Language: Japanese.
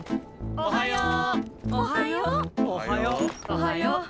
おはよう。